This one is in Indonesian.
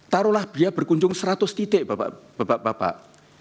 taruhlah dia berkunjung seratus titik bapak bapak